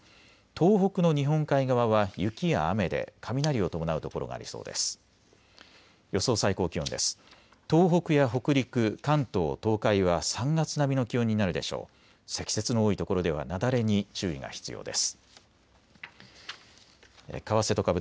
東北の日本海側は雪や雨で雷を伴う所がありそうです。